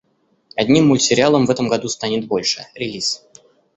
Одним мультсериалом в этом году станет больше, релиз